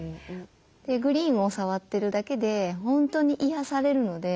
グリーンを触ってるだけで本当に癒やされるので。